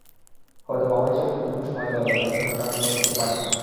হয়তো বাবা হিসেবে যতটুকু সময় দেওয়া দরকার, পেশার কারণে ততটুকু পারি না।